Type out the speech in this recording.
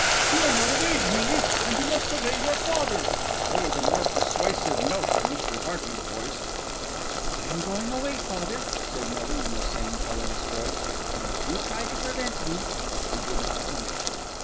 "You are not of age, Millie, and you must obey your father." There was a more persuasive note in Mr. Hearty's voice. "I am going away, father," said Millie in the same colourless voice; "and if you try and prevent me " She did not finish.